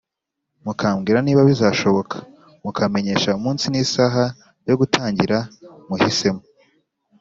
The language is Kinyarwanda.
mukambwira niba bizashoboka, mukamenyesha umunsi n'isaha yo gutangira muhisemo.